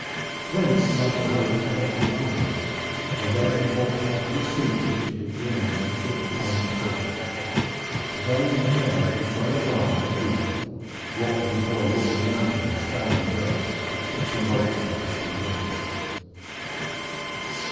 Thence Nigel hurried to Wat the armorer's and there he bought that very suit for which he had yearned so short a time before. Then and there he tried it on in the booth, Wat and his boy walking round him with spanner and wrench, fixing bolts and twisting rivets.